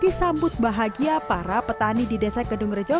disambut bahagia para petani di desa kedung rejo